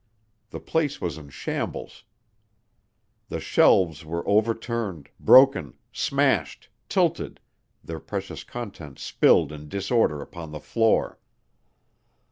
The place was in shambles. The shelves were overturned, broken, smashed, tilted, their precious contents spilled in disorder upon the floor.